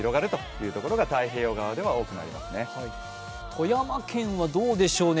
富山県はどうでしょうね